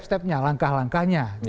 mereka harus berdasarkan langkah langkahnya